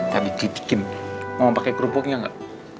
tapi titikin mau pake kerupuknya gak